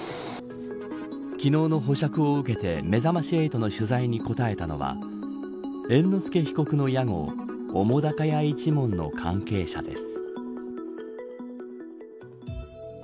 昨日の保釈を受けてめざまし８の取材に答えたのは猿之助被告の屋号澤瀉屋一門の関係者です。